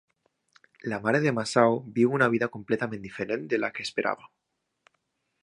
La mare de Masao viu una vida completament diferent de la que esperava.